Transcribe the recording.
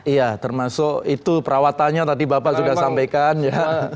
iya termasuk itu perawatannya tadi bapak sudah sampaikan ya